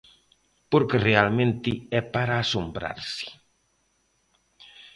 Porque realmente é para asombrarse.